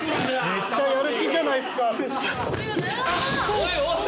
めっちゃやる気じゃないっすか！